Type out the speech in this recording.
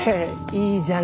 いいじゃん